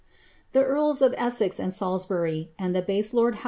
*'* The earls of Essex and Salisbury and the base lord liow ' Rapin.